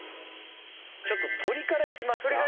ちょっと鶏からいきますか。